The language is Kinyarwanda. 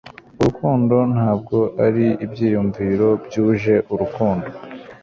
urukundo ntabwo ari ibyiyumvo byuje urukundo